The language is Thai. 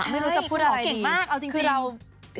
ไม่รู้จะพูดอะไรดีหมอเก่งมากเอาจริง